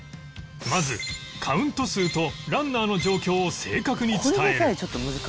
まずカウント数とランナーの状況を正確に伝える